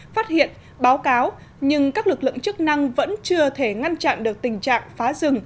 phát hiện báo cáo nhưng các lực lượng chức năng vẫn chưa thể ngăn chặn được tình trạng phá rừng